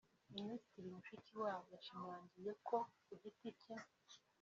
Minisitiri Mushikiwabo yashimangiye ko ku giti cye